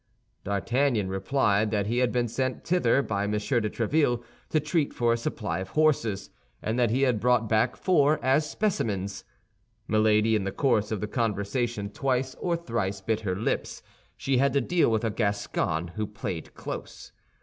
D'Artagnan replied that he had been sent thither by M. de Tréville to treat for a supply of horses, and that he had brought back four as specimens. Milady in the course of the conversation twice or thrice bit her lips; she had to deal with a Gascon who played close.